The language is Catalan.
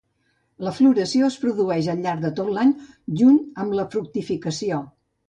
La floració es produeix al llarg de tot l'any junt amb la fructificació.